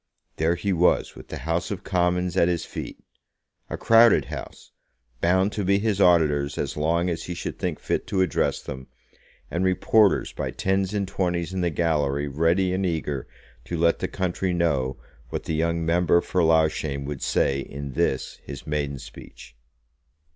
There he was with the House of Commons at his feet, a crowded House, bound to be his auditors as long as he should think fit to address them, and reporters by tens and twenties in the gallery ready and eager to let the country know what the young member for Loughshane would say in this his maiden speech.